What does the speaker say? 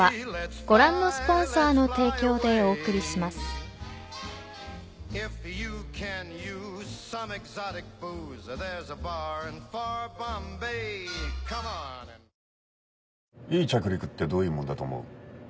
三菱電機いい着陸ってどういうもんだと思う？